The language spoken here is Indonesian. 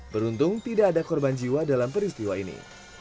beruntung tidak ada korban jiwa dalam peristiwa ini